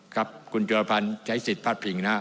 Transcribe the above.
ครับคุณจุรพันธ์ใช้สิทธิ์ภาษาผิงนะฮะ